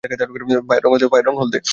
পায়ের রং হলদে।